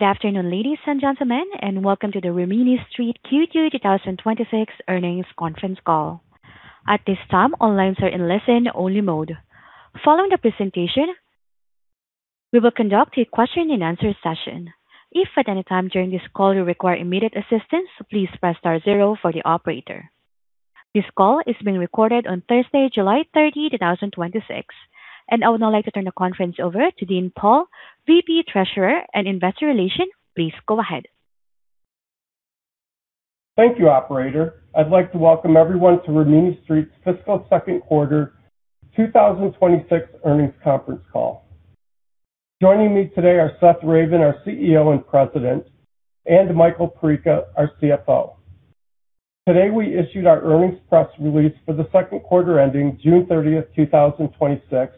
Good afternoon, ladies and gentlemen, welcome to the Rimini Street Q2 2026 earnings conference call. At this time, all lines are in listen-only mode. Following the presentation, we will conduct a question-and-answer session. If at any time during this call you require immediate assistance, please press star zero for the operator. This call is being recorded on Thursday, July 30th, 2026. I would now like to turn the conference over to Dean Pohl, VP, Treasurer and Investor Relations. Please go ahead. Thank you, operator. I'd like to welcome everyone to Rimini Street's fiscal second quarter 2026 earnings conference call. Joining me today are Seth Ravin, our CEO and President, and Michael Perica, our CFO. Today, we issued our earnings press release for the second quarter ending June 30th, 2026,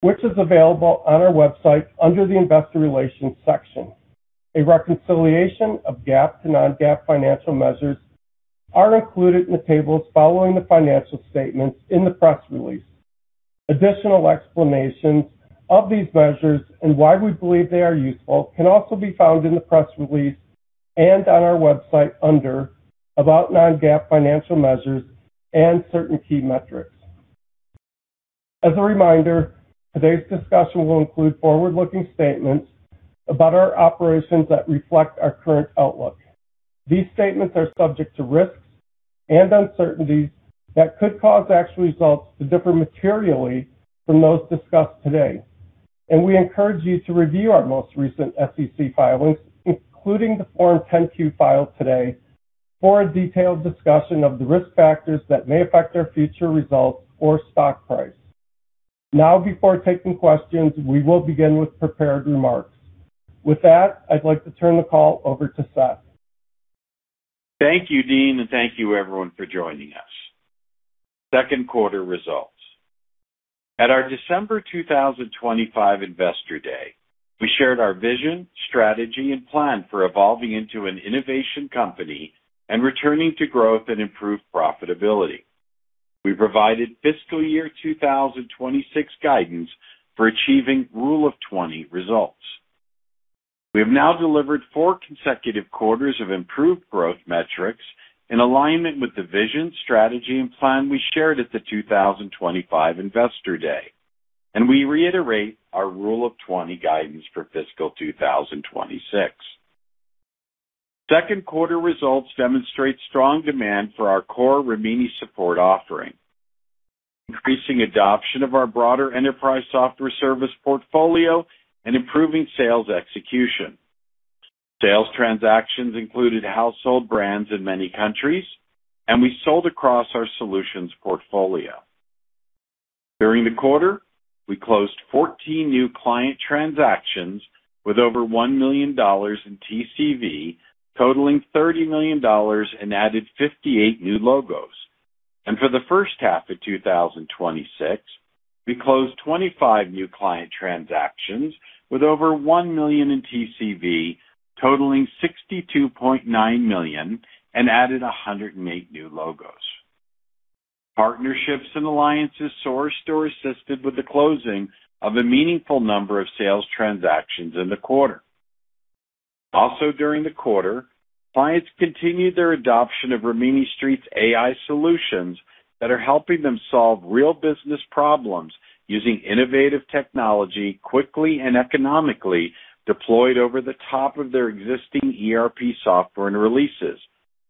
which is available on our website under the investor relations section. A reconciliation of GAAP to non-GAAP financial measures are included in the tables following the financial statements in the press release. Additional explanations of these measures and why we believe they are useful can also be found in the press release and on our website under about non-GAAP financial measures and certain key metrics. As a reminder, today's discussion will include forward-looking statements about our operations that reflect our current outlook. These statements are subject to risks and uncertainties that could cause actual results to differ materially from those discussed today. We encourage you to review our most recent SEC filings, including the Form 10-Q filed today, for a detailed discussion of the risk factors that may affect our future results or stock price. Now before taking questions, we will begin with prepared remarks. With that, I'd like to turn the call over to Seth. Thank you, Dean, thank you everyone for joining us. Second quarter results. At our December 2025 Investor Day, we shared our vision, strategy, and plan for evolving into an innovation company and returning to growth and improved profitability. We provided fiscal year 2026 guidance for achieving Rule of 20 results. We have now delivered four consecutive quarters of improved growth metrics in alignment with the vision, strategy, and plan we shared at the 2025 Investor Day, we reiterate our Rule of 20 guidance for fiscal 2026. Second quarter results demonstrate strong demand for our core Rimini Support offering, increasing adoption of our broader enterprise software service portfolio and improving sales execution. Sales transactions included household brands in many countries, we sold across our solutions portfolio. During the quarter, we closed 14 new client transactions with over $1 million in TCV, totaling $30 million and added 58 new logos. For H1 of 2026, we closed 25 new client transactions with over $1 million in TCV, totaling $62.9 million and added 108 new logos. Partnerships and alliances sourced or assisted with the closing of a meaningful number of sales transactions in the quarter. Also during the quarter, clients continued their adoption of Rimini Street's AI solutions that are helping them solve real business problems using innovative technology quickly and economically deployed over the top of their existing ERP software and releases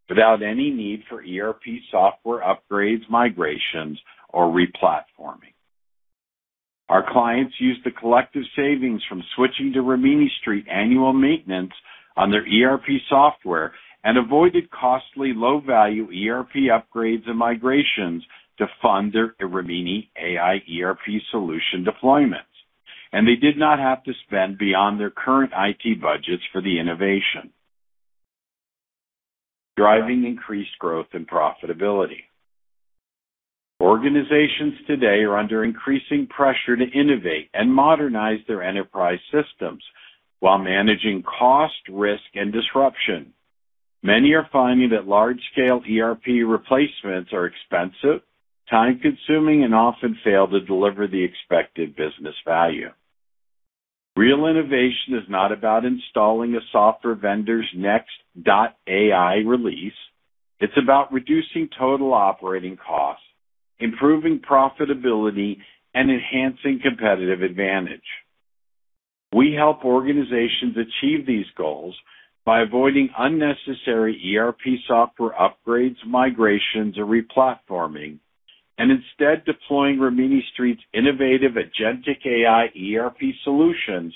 without any need for ERP software upgrades, migrations, or replatforming. Our clients used the collective savings from switching to Rimini Street annual maintenance on their ERP software and avoided costly low-value ERP upgrades and migrations to fund their Rimini AI ERP solution deployments. They did not have to spend beyond their current IT budgets for the innovation. Driving increased growth and profitability. Organizations today are under increasing pressure to innovate and modernize their enterprise systems while managing cost, risk, and disruption. Many are finding that large-scale ERP replacements are expensive, time-consuming, and often fail to deliver the expected business value. Real innovation is not about installing a software vendor's next dot AI release. It is about reducing total operating costs, improving profitability, and enhancing competitive advantage. We help organizations achieve these goals by avoiding unnecessary ERP software upgrades, migrations, or replatforming, instead deploying Rimini Street's innovative Agentic AI ERP solutions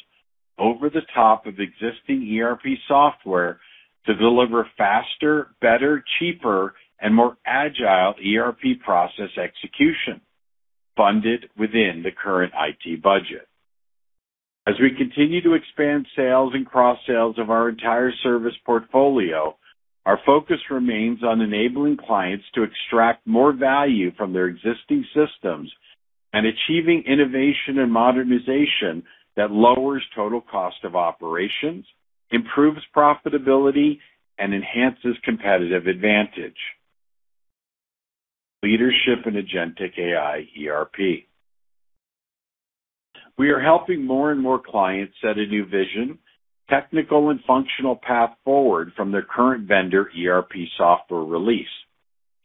over the top of existing ERP software to deliver faster, better, cheaper, and more agile ERP process execution funded within the current IT budget. As we continue to expand sales and cross-sales of our entire service portfolio, our focus remains on enabling clients to extract more value from their existing systems and achieving innovation and modernization that lowers total cost of operations, improves profitability, and enhances competitive advantage Leadership in Agentic AI ERP. We are helping more and more clients set a new vision, technical and functional path forward from their current vendor ERP software release.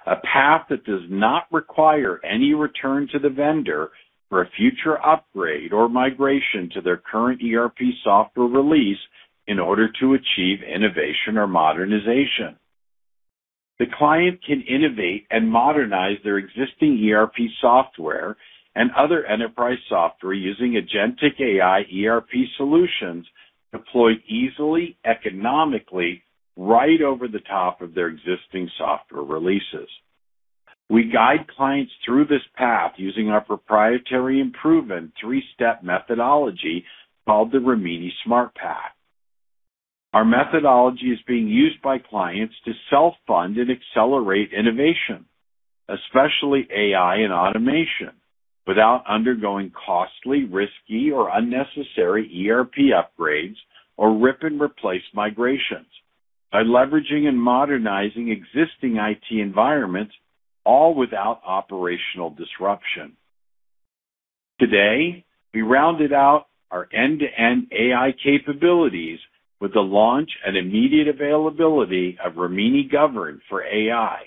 A path that does not require any return to the vendor for a future upgrade or migration to their current ERP software release in order to achieve innovation or modernization. The client can innovate and modernize their existing ERP software and other enterprise software using Agentic AI ERP solutions deployed easily, economically, right over the top of their existing software releases. We guide clients through this path using our proprietary and proven three-step methodology called the Rimini SmartPath. Our methodology is being used by clients to self-fund and accelerate innovation, especially AI and automation, without undergoing costly, risky, or unnecessary ERP upgrades or rip-and-replace migrations by leveraging and modernizing existing IT environments, all without operational disruption. Today, we rounded out our end-to-end AI capabilities with the launch and immediate availability of Rimini Govern for AI,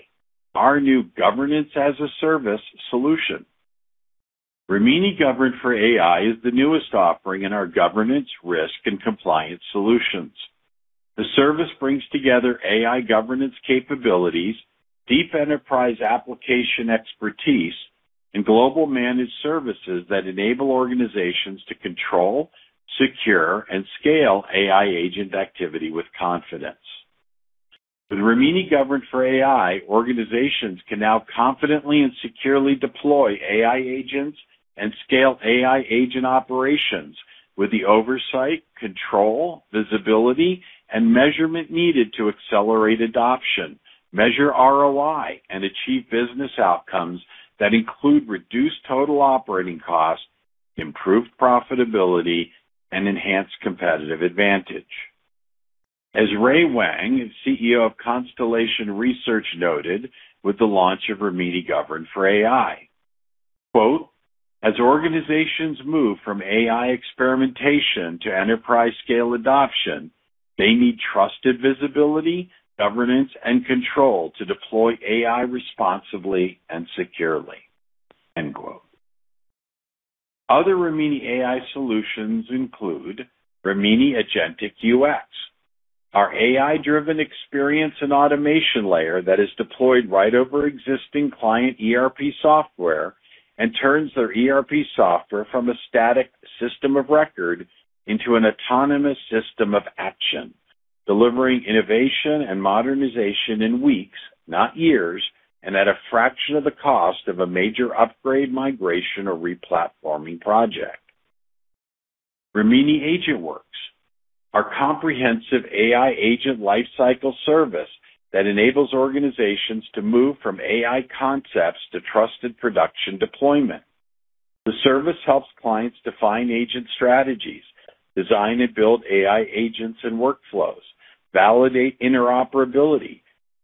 our new governance as a service solution. Rimini Govern for AI is the newest offering in our governance, risk, and compliance solutions. The service brings together AI governance capabilities, deep enterprise application expertise, and global managed services that enable organizations to control, secure, and scale AI agent activity with confidence. With Rimini Govern for AI, organizations can now confidently and securely deploy AI agents and scale AI agent operations with the oversight, control, visibility, and measurement needed to accelerate adoption, measure ROI, and achieve business outcomes that include reduced total operating costs, improved profitability, and enhanced competitive advantage. As Ray Wang, CEO of Constellation Research, noted with the launch of Rimini Govern for AI, "As organizations move from AI experimentation to enterprise-scale adoption, they need trusted visibility, governance, and control to deploy AI responsibly and securely." Other Rimini AI solutions include Rimini Agentic UX, our AI-driven experience and automation layer that is deployed right over existing client ERP software and turns their ERP software from a static system of record into an autonomous system of action, delivering innovation and modernization in weeks, not years, and at a fraction of the cost of a major upgrade, migration, or replatforming project. Rimini AgentWorks, our comprehensive AI agent lifecycle service that enables organizations to move from AI concepts to trusted production deployment. The service helps clients define agent strategies, design and build AI agents and workflows, validate interoperability,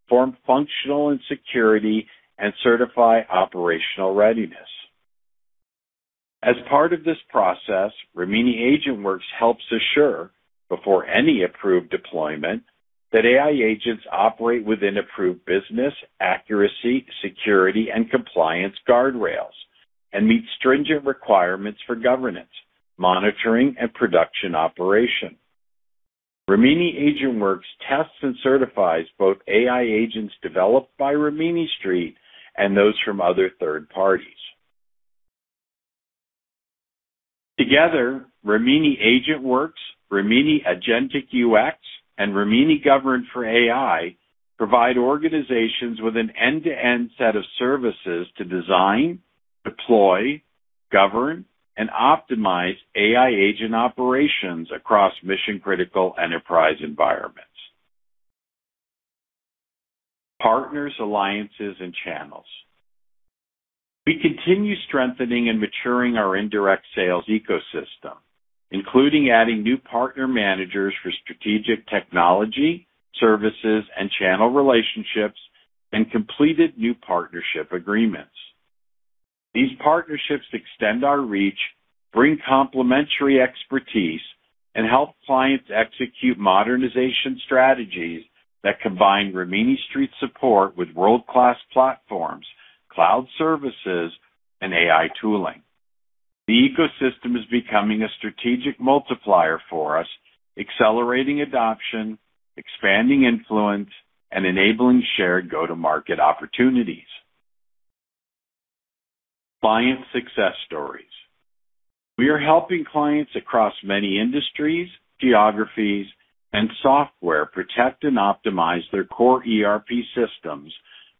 perform functional and security, and certify operational readiness. As part of this process, Rimini AgentWorks helps assure, before any approved deployment, that AI agents operate within approved business accuracy, security, and compliance guardrails and meet stringent requirements for governance, monitoring, and production operation. Rimini AgentWorks tests and certifies both AI agents developed by Rimini Street and those from other third parties. Together, Rimini AgentWorks, Rimini Agentic UX, and Rimini Govern for AI provide organizations with an end-to-end set of services to design, deploy, govern, and optimize AI agent operations across mission-critical enterprise environments. Partners, alliances, and channels. We continue strengthening and maturing our indirect sales ecosystem, including adding new partner managers for strategic technology, services, and channel relationships, and completed new partnership agreements. These partnerships extend our reach, bring complementary expertise, and help clients execute modernization strategies that combine Rimini Street support with world-class platforms, cloud services, and AI tooling. The ecosystem is becoming a strategic multiplier for us, accelerating adoption, expanding influence, and enabling shared go-to-market opportunities. Client success stories. We are helping clients across many industries, geographies, and software protect and optimize their core ERP systems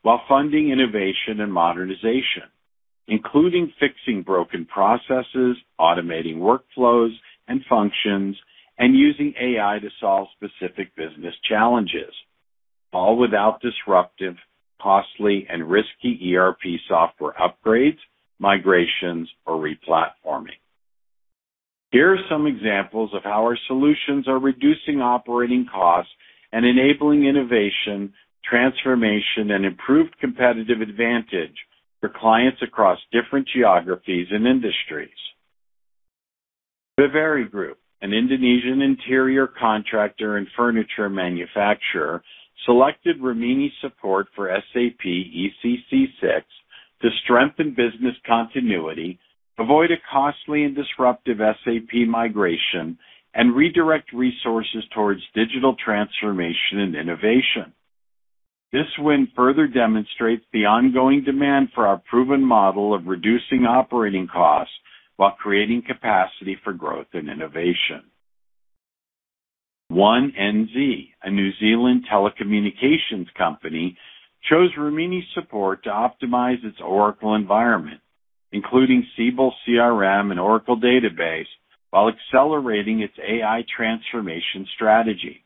while funding innovation and modernization, including fixing broken processes, automating workflows and functions, and using AI to solve specific business challenges, all without disruptive, costly, and risky ERP software upgrades, migrations, or replatforming. Here are some examples of how our solutions are reducing operating costs and enabling innovation, transformation, and improved competitive advantage for clients across different geographies and industries. VIVERI GROUP, an Indonesian interior contractor and furniture manufacturer, selected Rimini Support for SAP ECC 6 to strengthen business continuity, avoid a costly and disruptive SAP migration, and redirect resources towards digital transformation and innovation. This win further demonstrates the ongoing demand for our proven model of reducing operating costs while creating capacity for growth and innovation. One NZ, a New Zealand telecommunications company, chose Rimini Support to optimize its Oracle environment, including Siebel CRM and Oracle Database, while accelerating its AI transformation strategy.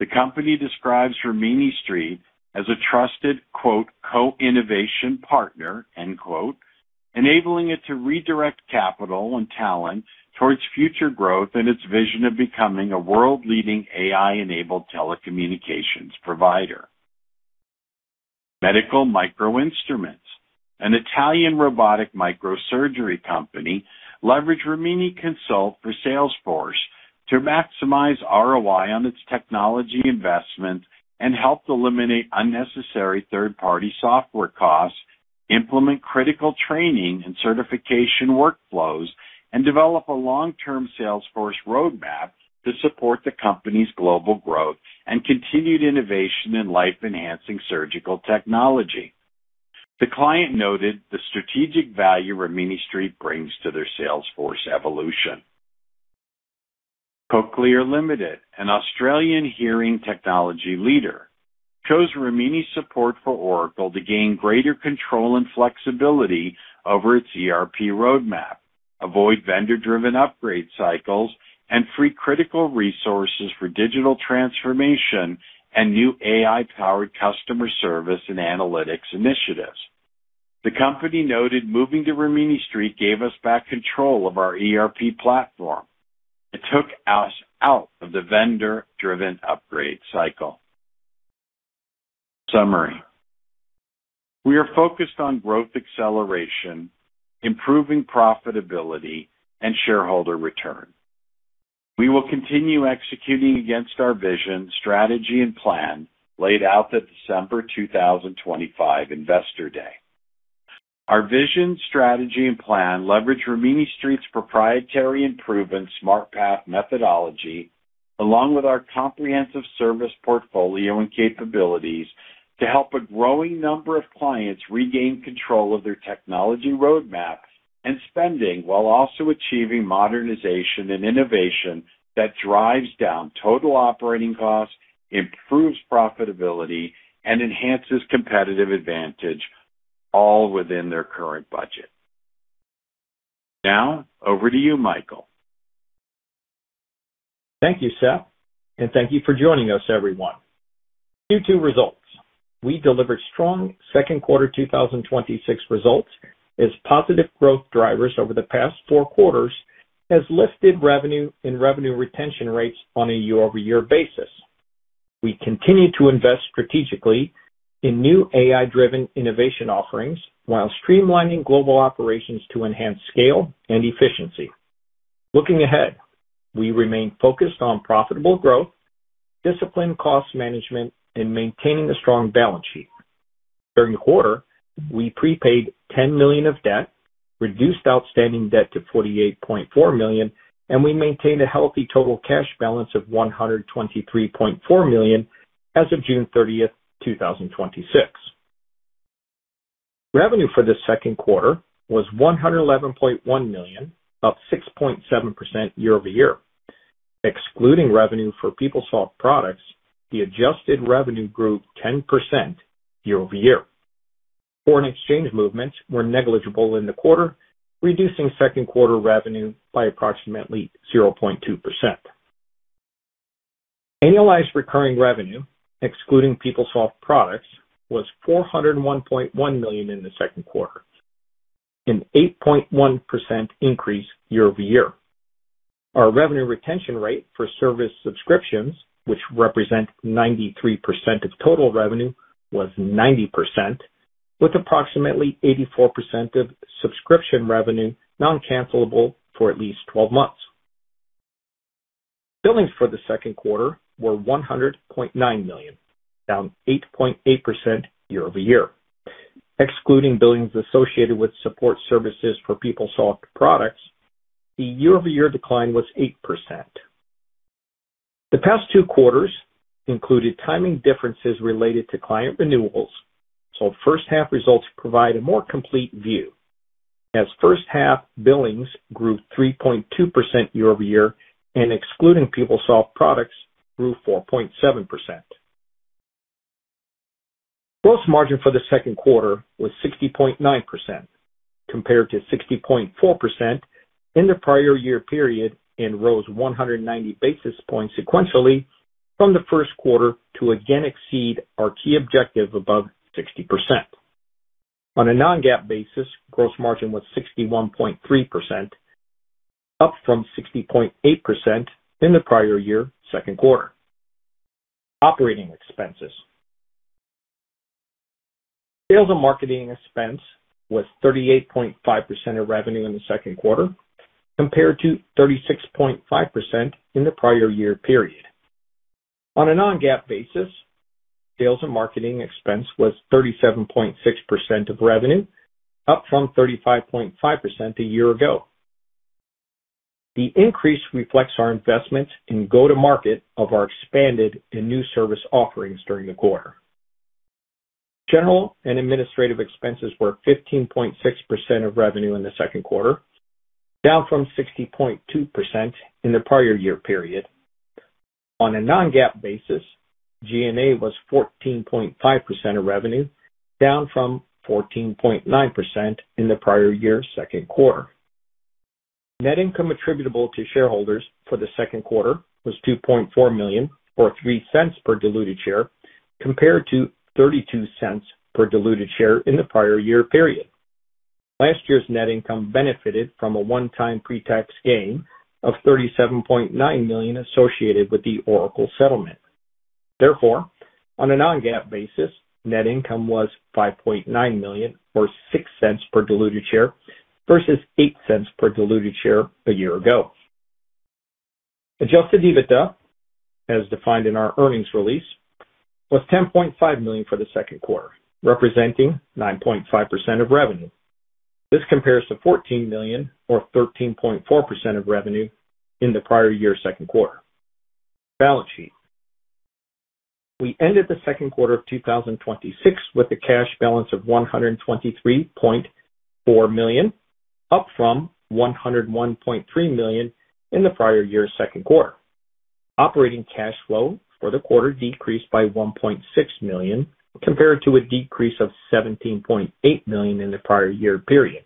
The company describes Rimini Street as a trusted, "co-innovation partner," enabling it to redirect capital and talent towards future growth and its vision of becoming a world-leading AI-enabled telecommunications provider. Medical Microinstruments, an Italian robotic microsurgery company, leveraged Rimini Consult for Salesforce to maximize ROI on its technology investment and helped eliminate unnecessary third-party software costs, implement critical training and certification workflows, and develop a long-term Salesforce roadmap to support the company's global growth and continued innovation in life-enhancing surgical technology. The client noted the strategic value Rimini Street brings to their Salesforce evolution. Cochlear Limited, an Australian hearing technology leader, chose Rimini Support for Oracle to gain greater control and flexibility over its ERP roadmap, avoid vendor-driven upgrade cycles, and free critical resources for digital transformation and new AI-powered customer service and analytics initiatives. The company noted, "Moving to Rimini Street gave us back control of our ERP platform. It took us out of the vendor-driven upgrade cycle." Summary. We are focused on growth acceleration, improving profitability, and shareholder return. We will continue executing against our vision, strategy, and plan laid out at the December 2025 Investor Day. Our vision, strategy, and plan leverage Rimini Street's proprietary and proven SmartPath methodology, along with our comprehensive service portfolio and capabilities, to help a growing number of clients regain control of their technology roadmap and spending while also achieving modernization and innovation that drives down total operating costs, improves profitability, and enhances competitive advantage, all within their current budget. Now, over to you, Michael. Thank you, Seth, and thank you for joining us, everyone. Q2 results. We delivered strong second quarter 2026 results as positive growth drivers over the past four quarters has lifted revenue and revenue retention rates on a year-over-year basis. We continue to invest strategically in new AI-driven innovation offerings while streamlining global operations to enhance scale and efficiency. Looking ahead, we remain focused on profitable growth, disciplined cost management, and maintaining a strong balance sheet. During the quarter, we prepaid $10 million of debt, reduced outstanding debt to $48.4 million, and we maintained a healthy total cash balance of $123.4 million as of June 30th, 2026. Revenue for the second quarter was $111.1 million, up 6.7% year-over-year. Excluding revenue for PeopleSoft products, the adjusted revenue grew 10% year-over-year. Foreign exchange movements were negligible in the quarter, reducing second quarter revenue by approximately 0.2%. Annualized recurring revenue, excluding PeopleSoft products, was $401.1 million in the second quarter, an 8.1% increase year-over-year. Our revenue retention rate for service subscriptions, which represent 93% of total revenue, was 90%, with approximately 84% of subscription revenue non-cancellable for at least 12 months. Billings for the second quarter were $100.9 million, down 8.8% year-over-year. Excluding billings associated with support services for PeopleSoft products, the year-over-year decline was 8%. The past two quarters included timing differences related to client renewals. So H1 results provide a more complete view, as H1 billings grew 3.2% year-over-year, and excluding PeopleSoft products, grew 4.7%. Gross margin for the second quarter was 60.9% compared to 60.4% in the prior year period and rose 190 basis points sequentially from the first quarter to again exceed our key objective above 60%. On a non-GAAP basis, gross margin was 61.3%, up from 60.8% in the prior year second quarter. Operating expenses. Sales and marketing expense was 38.5% of revenue in the second quarter, compared to 36.5% in the prior year period. On a non-GAAP basis, sales and marketing expense was 37.6% of revenue, up from 35.5% a year ago. The increase reflects our investments in go-to-market of our expanded and new service offerings during the quarter. General and administrative expenses were 15.6% of revenue in the second quarter, down from 60.2% in the prior year period. On a non-GAAP basis, G&A was 14.5% of revenue, down from 14.9% in the prior year second quarter. Net income attributable to shareholders for the second quarter was $2.4 million, or $0.03 per diluted share, compared to $0.32 per diluted share in the prior year period. Last year's net income benefited from a one-time pre-tax gain of $37.9 million associated with the Oracle settlement. Therefore, on a non-GAAP basis, net income was $5.9 million, or $0.06 per diluted share, versus $0.08 per diluted share a year ago. Adjusted EBITDA, as defined in our earnings release, was $10.5 million for the second quarter, representing 9.5% of revenue. This compares to $14 million, or 13.4% of revenue, in the prior year second quarter. Balance sheet. We ended the second quarter of 2026 with a cash balance of $123.4 million, up from $101.3 million in the prior year second quarter. Operating cash flow for the quarter decreased by $1.6 million, compared to a decrease of $17.8 million in the prior year period.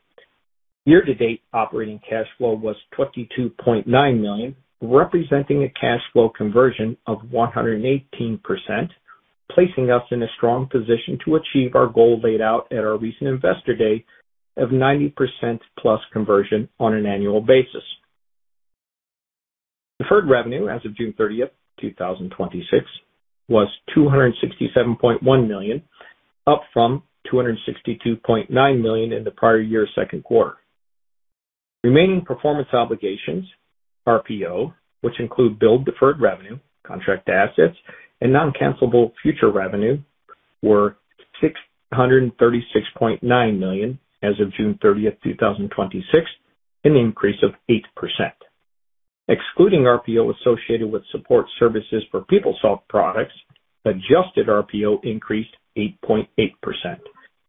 Year-to-date operating cash flow was $22.9 million, representing a cash flow conversion of 118%, placing us in a strong position to achieve our goal laid out at our recent Investor Day of 90% plus conversion on an annual basis. Deferred revenue as of June 30th, 2026 was $267.1 million, up from $262.9 million in the prior year second quarter. Remaining performance obligations, RPO, which include billed deferred revenue, contract assets, and non-cancellable future revenue, were $636.9 million as of June 30, 2026, an increase of 8%. Excluding RPO associated with support services for PeopleSoft products, adjusted RPO increased 8.8%,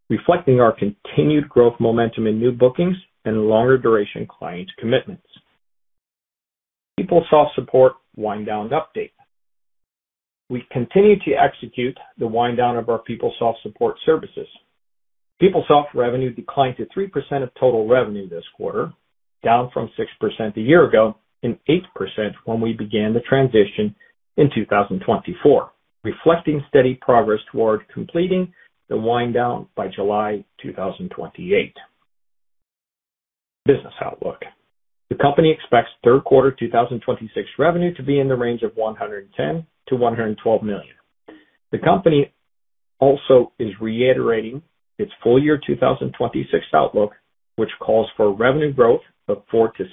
reflecting our continued growth momentum in new bookings and longer duration client commitments. PeopleSoft support wind down update. We continue to execute the wind down of our PeopleSoft support services. PeopleSoft revenue declined to 3% of total revenue this quarter, down from 6% a year ago and 8% when we began the transition in 2024, reflecting steady progress toward completing the wind down by July 2028. Business outlook. The company expects third quarter 2026 revenue to be in the range of $110 million-$112 million. The company also is reiterating its full year 2026 outlook, which calls for revenue growth of 4%-6%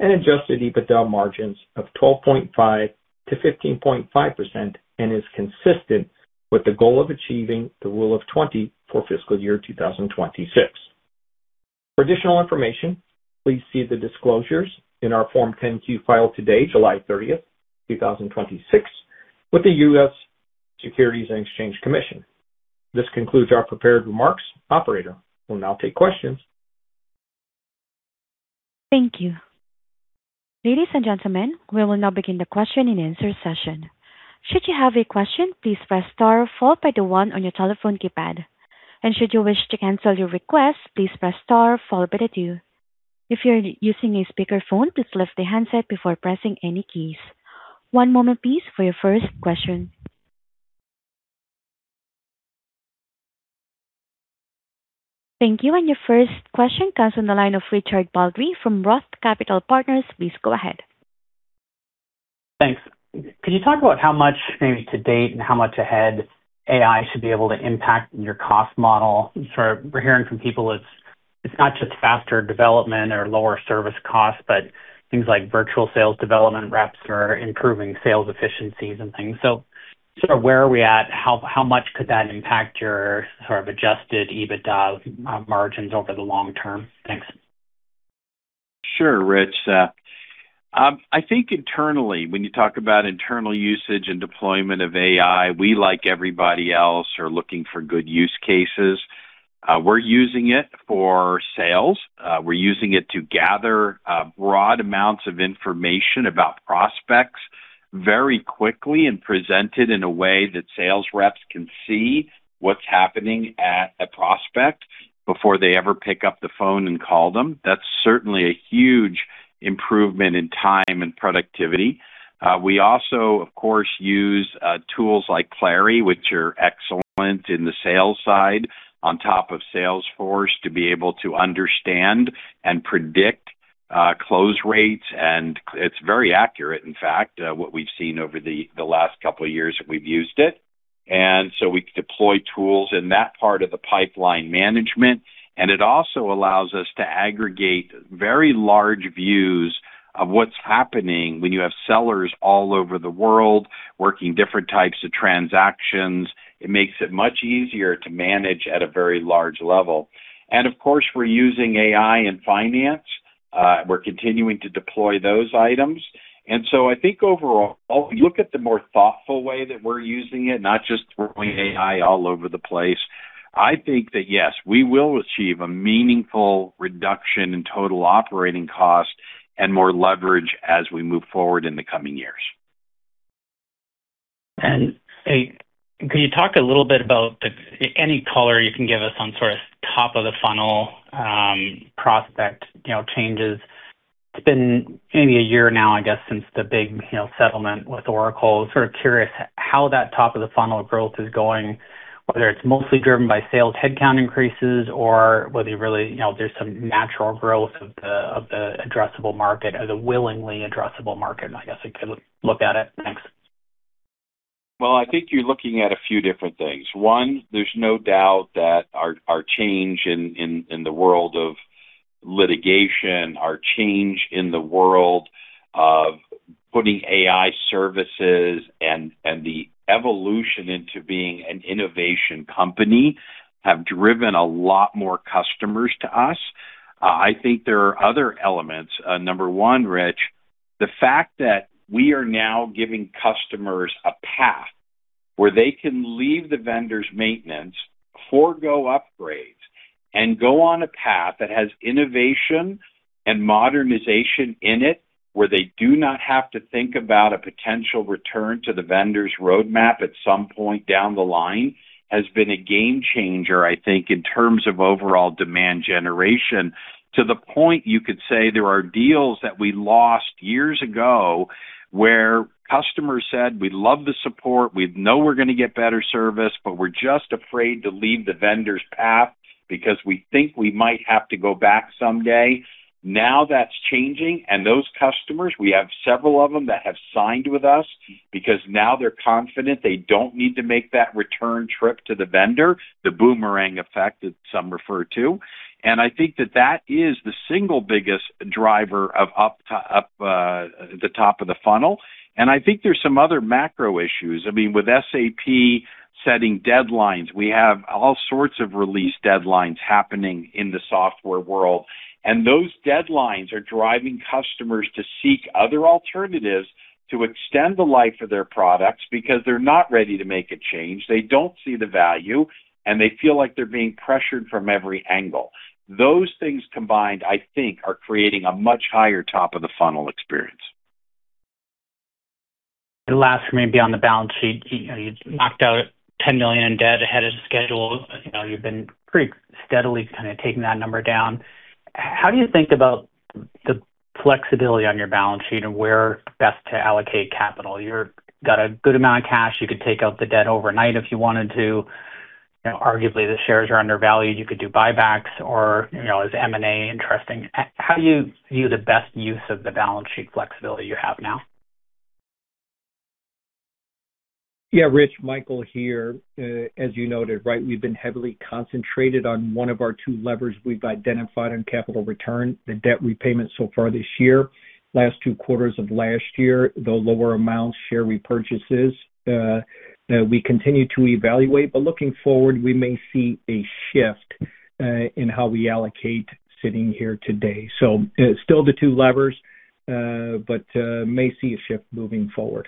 and adjusted EBITDA margins of 12.5%-15.5% and is consistent with the goal of achieving the Rule of 20 for fiscal year 2026. For additional information, please see the disclosures in our Form 10-Q filed today, July 30th, 2026, with the U.S. Securities and Exchange Commission. This concludes our prepared remarks. Operator, we'll now take questions. Thank you. Ladies and gentlemen, we will now begin the question and answer session. Should you have a question, please press star followed by one on your telephone keypad. Should you wish to cancel your request, please press star followed by two. If you're using a speakerphone, please lift the handset before pressing any keys. One moment please for your first question. Thank you. Your first question comes from the line of Richard Baldry from ROTH Capital Partners. Please go ahead. Thanks. Could you talk about how much maybe to date and how much ahead AI should be able to impact your cost model? Sort of we're hearing from people it's not just faster development or lower service costs, but things like virtual sales development reps or improving sales efficiencies and things. Sort of where are we at? How much could that impact your sort of adjusted EBITDA margins over the long term? Thanks. Sure, Rich. I think internally, when you talk about internal usage and deployment of AI, we, like everybody else, are looking for good use cases. We're using it for sales. We're using it to gather broad amounts of information about prospects very quickly and present it in a way that sales reps can see what's happening at a prospect. Before they ever pick up the phone and call them. That's certainly a huge improvement in time and productivity. We also, of course, use tools like Clari, which are excellent in the sales side on top of Salesforce to be able to understand and predict close rates. It's very accurate, in fact, what we've seen over the last couple of years that we've used it. So we deploy tools in that part of the pipeline management, and it also allows us to aggregate very large views of what's happening when you have sellers all over the world working different types of transactions. It makes it much easier to manage at a very large level. Of course, we're using AI in finance. We're continuing to deploy those items. So I think overall, look at the more thoughtful way that we're using it, not just throwing AI all over the place. I think that, yes, we will achieve a meaningful reduction in total operating cost and more leverage as we move forward in the coming years. Could you talk a little bit about any color you can give us on sort of top of the funnel prospect changes? It's been maybe a year now, I guess, since the big settlement with Oracle. Sort of curious how that top of the funnel growth is going, whether it's mostly driven by sales headcount increases, or whether really there's some natural growth of the addressable market or the willingly addressable market, I guess I could look at it. Thanks. Well, I think you're looking at a few different things. One, there's no doubt that our change in the world of litigation, our change in the world of putting AI services, and the evolution into being an innovation company have driven a lot more customers to us. I think there are other elements. Number one, Rich, the fact that we are now giving customers a path where they can leave the vendor's maintenance, forego upgrades, and go on a path that has innovation and modernization in it, where they do not have to think about a potential return to the vendor's roadmap at some point down the line, has been a game changer, I think, in terms of overall demand generation, to the point you could say there are deals that we lost years ago where customers said, "We love the support, we know we're going to get better service, but we're just afraid to leave the vendor's path because we think we might have to go back someday." Now that's changing, and those customers, we have several of them that have signed with us because now they're confident they don't need to make that return trip to the vendor, the boomerang effect that some refer to. I think that that is the single biggest driver of the top of the funnel. I think there's some other macro issues. With SAP setting deadlines, we have all sorts of release deadlines happening in the software world, and those deadlines are driving customers to seek other alternatives to extend the life of their products because they're not ready to make a change. They don't see the value, and they feel like they're being pressured from every angle. Those things combined, I think, are creating a much higher top of the funnel experience. Last for me, beyond the balance sheet, you knocked out $10 million in debt ahead of schedule. You've been pretty steadily kind of taking that number down. How do you think about the flexibility on your balance sheet and where best to allocate capital? You've got a good amount of cash. You could take out the debt overnight if you wanted to. Arguably, the shares are undervalued. You could do buybacks or is M&A interesting? How do you view the best use of the balance sheet flexibility you have now? Yeah, Rich, Michael here. As you noted, right, we've been heavily concentrated on one of our two levers we've identified on capital return, the debt repayment so far this year. Last two quarters of last year, the lower amount share repurchases. We continue to evaluate, looking forward, we may see a shift in how we allocate sitting here today. Still the two levers, but may see a shift moving forward.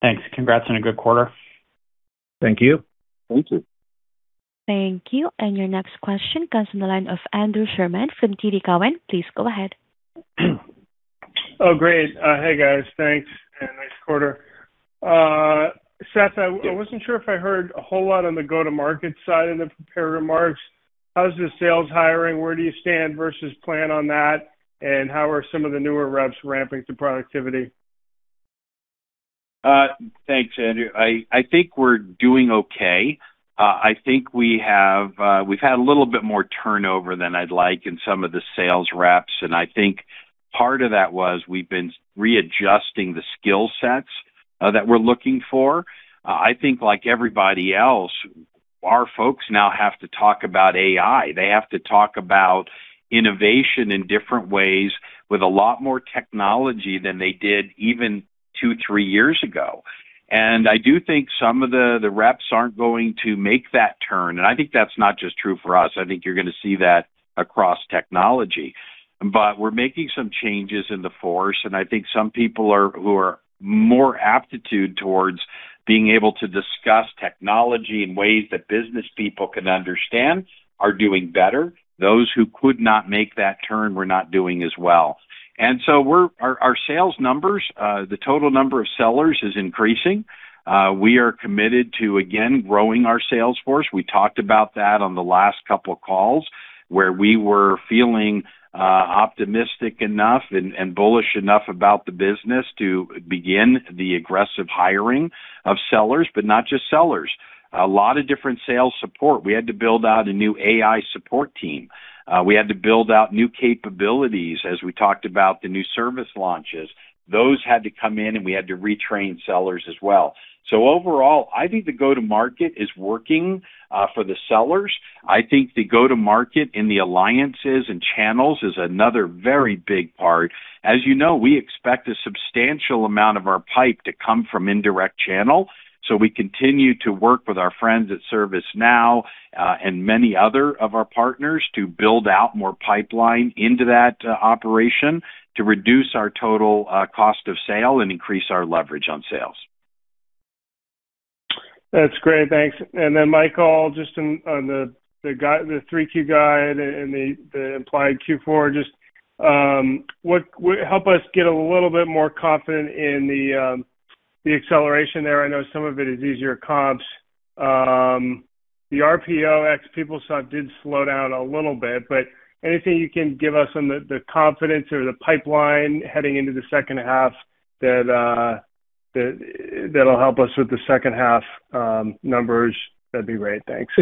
Thanks. Congrats on a good quarter. Thank you. Thank you. Thank you. Your next question comes from the line of Andrew Sherman from TD Cowen. Please go ahead. Oh, great. Hey, guys. Thanks, and nice quarter. Seth, I wasn't sure if I heard a whole lot on the go-to-market side in the prepared remarks. How's the sales hiring? Where do you stand versus plan on that? How are some of the newer reps ramping to productivity? Thanks, Andrew. I think we're doing okay. I think we've had a little bit more turnover than I'd like in some of the sales reps, and I think part of that was we've been readjusting the skill sets that we're looking for. I think like everybody else, our folks now have to talk about AI. They have to talk about innovation in different ways with a lot more technology than they did even two, three years ago. I do think some of the reps aren't going to make that turn, and I think that's not just true for us. I think you're going to see that across technology. We're making some changes in the force, and I think some people who are more aptitude towards being able to discuss technology in ways that business people can understand are doing better. Those who could not make that turn were not doing as well. Our sales numbers, the total number of sellers is increasing. We are committed to, again, growing our sales force. We talked about that on the last couple of calls, where we were feeling optimistic enough and bullish enough about the business to begin the aggressive hiring of sellers, but not just sellers. A lot of different sales support. We had to build out a new AI support team. We had to build out new capabilities as we talked about the new service launches. Those had to come in, and we had to retrain sellers as well. Overall, I think the go-to-market is working for the sellers. I think the go-to-market in the alliances and channels is another very big part. As you know, we expect a substantial amount of our pipe to come from indirect channel. We continue to work with our friends at ServiceNow and many other of our partners to build out more pipeline into that operation to reduce our total cost of sale and increase our leverage on sales. That's great. Thanks. Michael, just on the 3Q guide and the implied Q4, just help us get a little bit more confident in the acceleration there. I know some of it is easier comps. The RPOx PeopleSoft did slow down a little bit, anything you can give us on the confidence or the pipeline heading into the second half that'll help us with the second half numbers, that'd be great. Thanks.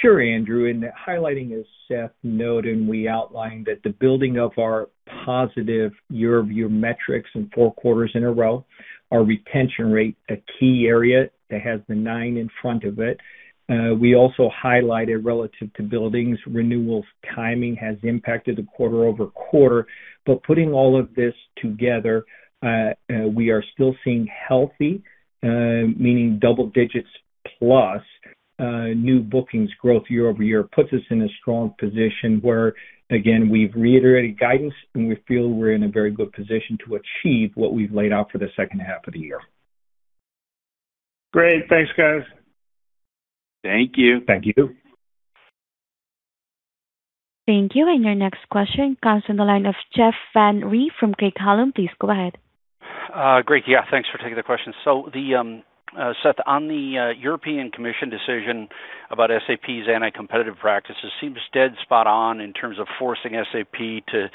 Sure, Andrew. In highlighting, as Seth noted, we outlined that the building of our positive year-over-year metrics in four quarters in a row, our retention rate, a key area that has the nine in front of it. We also highlighted relative to billings, renewals timing has impacted the quarter-over-quarter. Putting all of this together, we are still seeing healthy, meaning double digits plus, new bookings growth year-over-year puts us in a strong position where, again, we've reiterated guidance, we feel we're in a very good position to achieve what we've laid out for the second half of the year. Great. Thanks, guys. Thank you. Thank you. Thank you. Your next question comes from the line of Jeff Van Rhee from Craig-Hallum. Please go ahead. Great. Yeah. Thanks for taking the question. Seth, on the European Commission decision about SAP's anti-competitive practices seems dead spot on in terms of forcing SAP to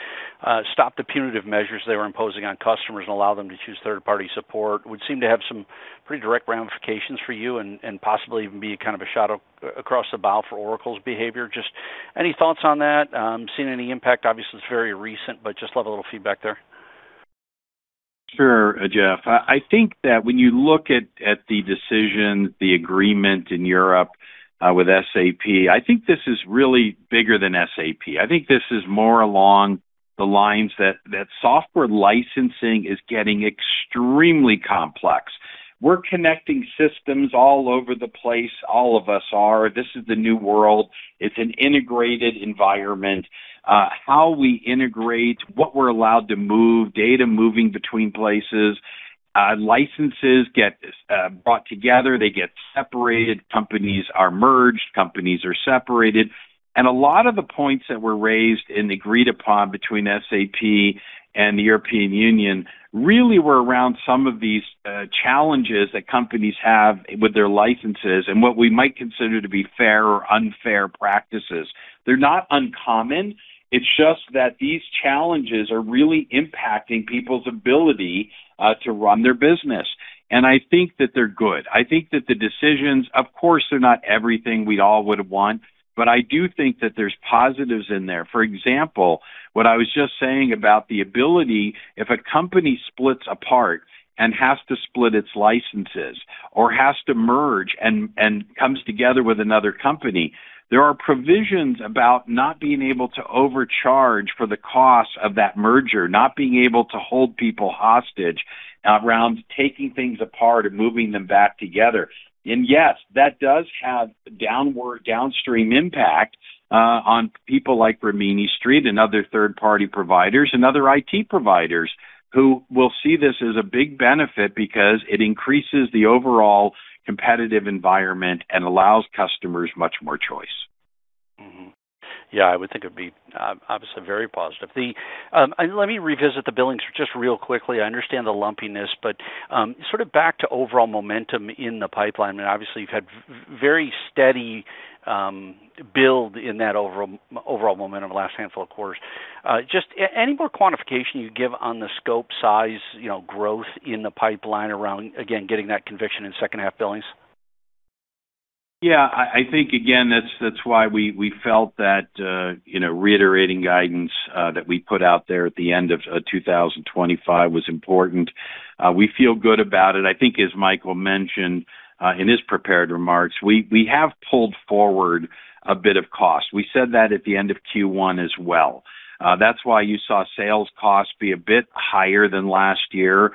stop the punitive measures they were imposing on customers and allow them to choose third-party support. Would seem to have some pretty direct ramifications for you and possibly even be a shot across the bow for Oracle's behavior. Just any thoughts on that? Seen any impact? Obviously, it's very recent, but just love a little feedback there. Sure, Jeff. I think that when you look at the decision, the agreement in Europe with SAP, I think this is really bigger than SAP. I think this is more along the lines that software licensing is getting extremely complex. We're connecting systems all over the place. All of us are. This is the new world. It's an integrated environment. How we integrate, what we're allowed to move, data moving between places. Licenses get brought together, they get separated, companies are merged, companies are separated. A lot of the points that were raised and agreed upon between SAP and the European Union really were around some of these challenges that companies have with their licenses and what we might consider to be fair or unfair practices. They're not uncommon. It's just that these challenges are really impacting people's ability to run their business. I think that they're good. I think that the decisions, of course, they're not everything we all would want, but I do think that there's positives in there. For example, what I was just saying about the ability, if a company splits apart and has to split its licenses or has to merge and comes together with another company, there are provisions about not being able to overcharge for the cost of that merger, not being able to hold people hostage around taking things apart and moving them back together. Yes, that does have downstream impact on people like Rimini Street and other third-party providers and other IT providers who will see this as a big benefit because it increases the overall competitive environment and allows customers much more choice. I would think it would be obviously very positive. Let me revisit the billings just real quickly. I understand the lumpiness, but sort of back to overall momentum in the pipeline. Obviously, you've had very steady build in that overall momentum the last handful of quarters. Just any more quantification you'd give on the scope, size, growth in the pipeline around, again, getting that conviction in second half billings? I think again, that's why we felt that reiterating guidance that we put out there at the end of 2025 was important. We feel good about it. I think as Michael mentioned in his prepared remarks, we have pulled forward a bit of cost. We said that at the end of Q1 as well. That's why you saw sales costs be a bit higher than last year.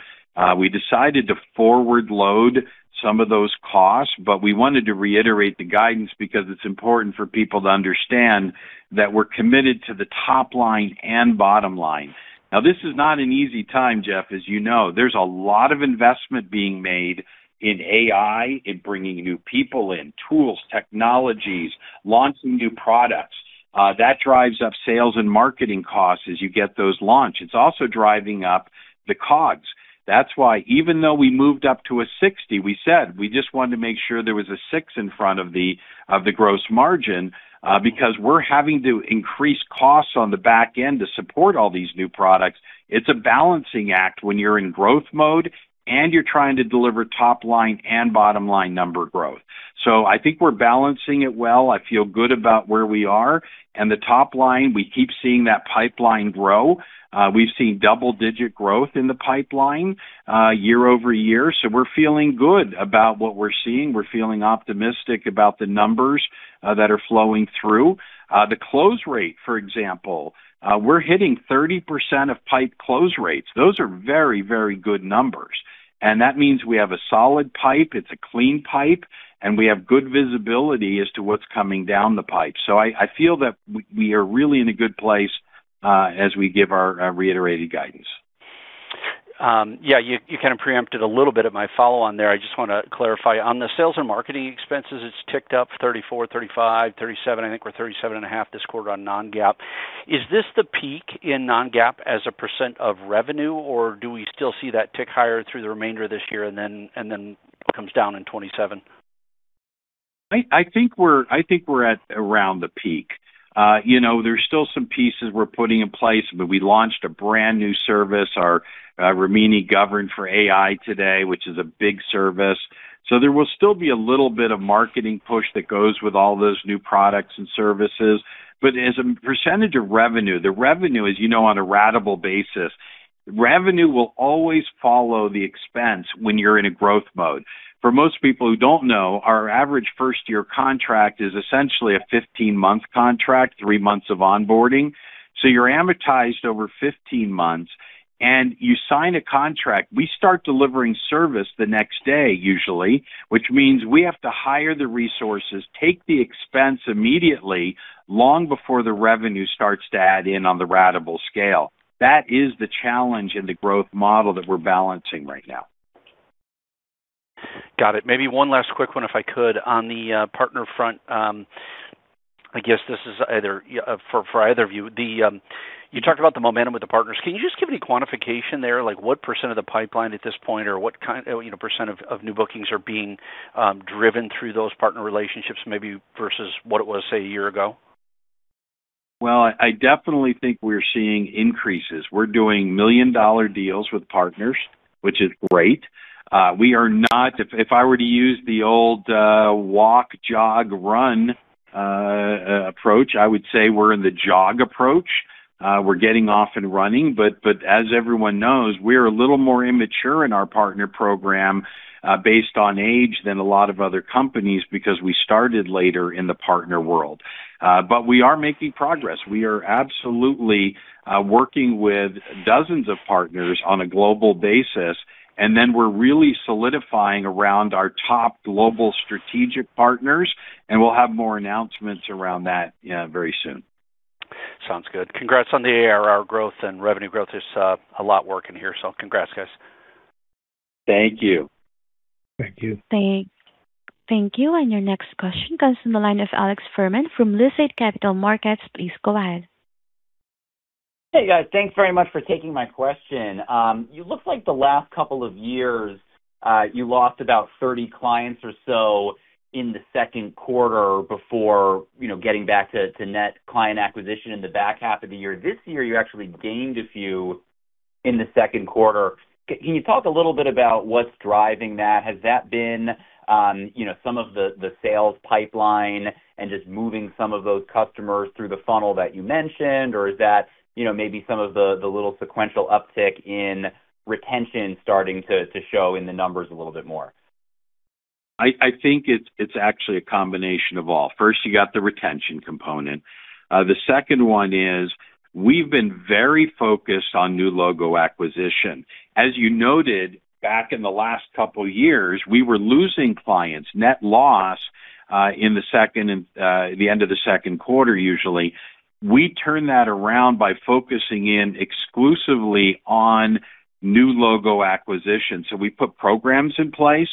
We decided to forward load some of those costs, but we wanted to reiterate the guidance because it's important for people to understand that we're committed to the top line and bottom line. Now, this is not an easy time, Jeff, as you know. There's a lot of investment being made in AI, in bringing new people in, tools, technologies, launching new products. That drives up sales and marketing costs as you get those launched. It's also driving up the COGS. That's why even though we moved up to a 60, we said we just wanted to make sure there was a six in front of the gross margin, because we're having to increase costs on the back end to support all these new products. It's a balancing act when you're in growth mode and you're trying to deliver top-line and bottom-line number growth. I think we're balancing it well. I feel good about where we are. The top line, we keep seeing that pipeline grow. We've seen double-digit growth in the pipeline year-over-year. We're feeling good about what we're seeing. We're feeling optimistic about the numbers that are flowing through. The close rate, for example. We're hitting 30% of pipe close rates. Those are very good numbers. That means we have a solid pipe, it's a clean pipe. We have good visibility as to what's coming down the pipe. I feel that we are really in a good place as we give our reiterating guidance. Yeah. You kind of preempted a little bit of my follow-on there. I just want to clarify. On the sales and marketing expenses, it's ticked up 34, 35, 37, I think we're 37.5% this quarter on non-GAAP. Is this the peak in non-GAAP as a percent of revenue, or do we still see that tick higher through the remainder of this year and then comes down in 2027? I think we're at around the peak. There's still some pieces we're putting in place, but we launched a brand-new service, our Rimini Govern for AI today, which is a big service. There will still be a little bit of marketing push that goes with all those new products and services. As a percentage of revenue, the revenue, as you know, on a ratable basis, revenue will always follow the expense when you're in a growth mode. For most people who don't know, our average first-year contract is essentially a 15-month contract, three months of onboarding. You're amortized over 15 months. You sign a contract. We start delivering service the next day usually, which means we have to hire the resources, take the expense immediately, long before the revenue starts to add in on the ratable scale. That is the challenge in the growth model that we're balancing right now. Got it. Maybe one last quick one, if I could. On the partner front, I guess this is for either of you. You talked about the momentum with the partners. Can you just give any quantification there? What percent of the pipeline at this point, or what percent of new bookings are being driven through those partner relationships maybe versus what it was, say, a year ago? Well, I definitely think we're seeing increases. We're doing $1 million deals with partners, which is great. If I were to use the old walk, jog, run approach, I would say we're in the jog approach. We're getting off and running. As everyone knows, we are a little more immature in our partner program, based on age, than a lot of other companies because we started later in the partner world. We are making progress. We are absolutely working with dozens of partners on a global basis. We're really solidifying around our top global strategic partners, and we'll have more announcements around that very soon. Sounds good. Congrats on the ARR growth and revenue growth. There's a lot working here. Congrats, guys. Thank you. Thank you. Thank you. Your next question comes from the line of Alex Fuhrman from Lucid Capital Markets. Please go ahead. Hey, guys. Thanks very much for taking my question. You look like the last couple of years, you lost about 30 clients or so in the second quarter before getting back to net client acquisition in the back half of the year. This year, you actually gained a few in the second quarter. Can you talk a little bit about what's driving that? Has that been some of the sales pipeline and just moving some of those customers through the funnel that you mentioned? Or is that maybe some of the little sequential uptick in retention starting to show in the numbers a little bit more? I think it's actually a combination of all. First, you got the retention component. The second one is we've been very focused on new logo acquisition. As you noted, back in the last couple of years, we were losing clients, net loss, in the end of the second quarter usually. We turned that around by focusing in exclusively on new logo acquisitions. We put programs in place,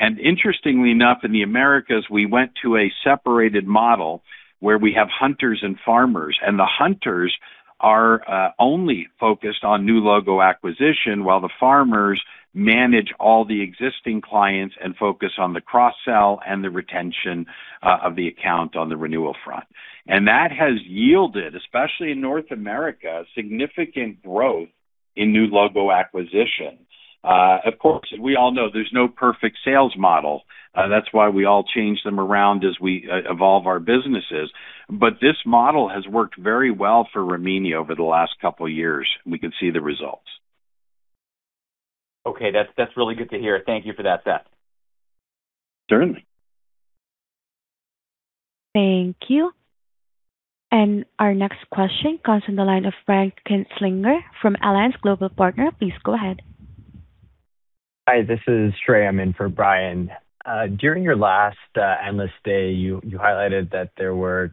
interestingly enough, in the Americas, we went to a separated model where we have hunters and farmers. The hunters are only focused on new logo acquisition, while the farmers manage all the existing clients and focus on the cross-sell and the retention of the account on the renewal front. That has yielded, especially in North America, significant growth in new logo acquisitions. Of course, we all know there's no perfect sales model. That's why we all change them around as we evolve our businesses. This model has worked very well for Rimini over the last couple of years. We can see the results. Okay. That's really good to hear. Thank you for that, Seth. Certainly. Thank you. Our next question comes from the line of Brian Kinstlinger from Alliance Global Partners. Please go ahead. Hi, this is Trey. I'm in for Brian. During your last Investor Day, you highlighted that there were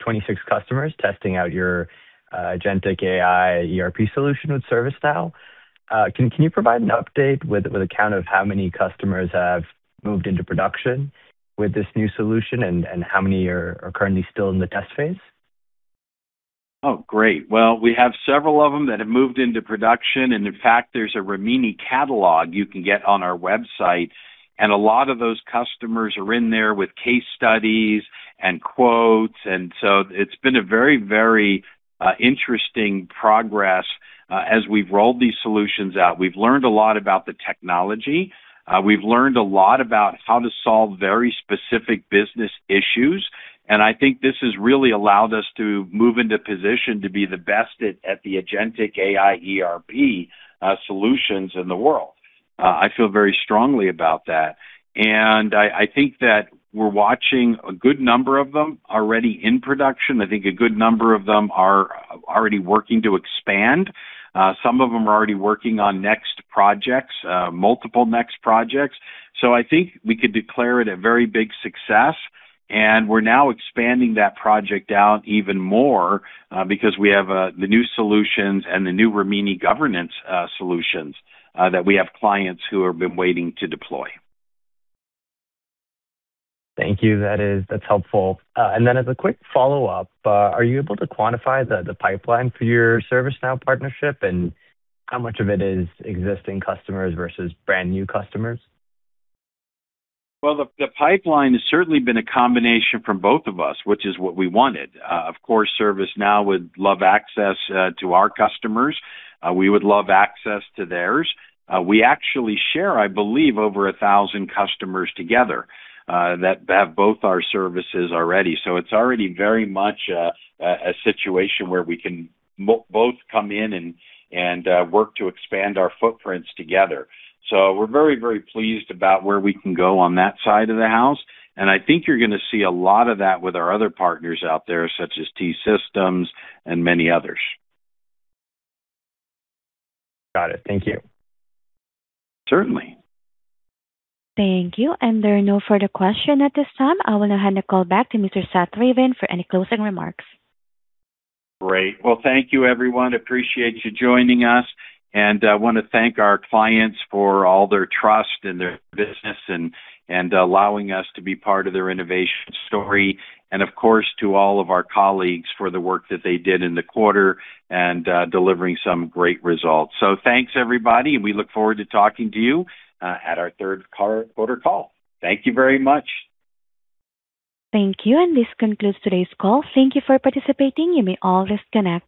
26 customers testing out your Agentic AI ERP solution with ServiceNow. Can you provide an update with a count of how many customers have moved into production with this new solution and how many are currently still in the test phase? Well, we have several of them that have moved into production, in fact, there's a Rimini catalog you can get on our website. A lot of those customers are in there with case studies and quotes, it's been a very interesting progress as we've rolled these solutions out. We've learned a lot about the technology. We've learned a lot about how to solve very specific business issues, I think this has really allowed us to move into position to be the best at the Agentic AI ERP solutions in the world. I feel very strongly about that, I think that we're watching a good number of them already in production. I think a good number of them are already working to expand. Some of them are already working on next projects, multiple next projects. I think we could declare it a very big success, we're now expanding that project out even more, because we have the new solutions and the new Rimini Govern for AI solutions, that we have clients who have been waiting to deploy. Thank you. That's helpful. As a quick follow-up, are you able to quantify the pipeline for your ServiceNow partnership and how much of it is existing customers versus brand-new customers? Well, the pipeline has certainly been a combination from both of us, which is what we wanted. Of course, ServiceNow would love access to our customers. We would love access to theirs. We actually share, I believe, over 1,000 customers together, that have both our services already. It's already very much a situation where we can both come in and work to expand our footprints together. We're very pleased about where we can go on that side of the house, and I think you're going to see a lot of that with our other partners out there, such as T-Systems and many others. Got it. Thank you. Certainly. Thank you. There are no further question at this time. I will now hand the call back to Mr. Seth Ravin for any closing remarks. Great. Well, thank you, everyone. Appreciate you joining us, I want to thank our clients for all their trust and their business and allowing us to be part of their innovation story. Of course, to all of our colleagues for the work that they did in the quarter and delivering some great results. Thanks, everybody, and we look forward to talking to you at our third quarter call. Thank you very much. Thank you. This concludes today's call. Thank you for participating. You may all disconnect.